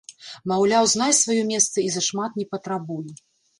Маўляў, знай сваё месца і зашмат не патрабуй.